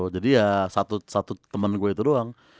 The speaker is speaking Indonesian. jadi ya satu temen gue itu doang